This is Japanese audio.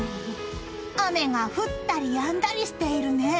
雨が降ったりやんだりしているね。